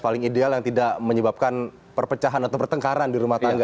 paling ideal yang tidak menyebabkan perpecahan atau pertengkaran di rumah tangga